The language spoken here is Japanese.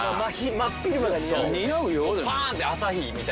真っ昼間が似合う。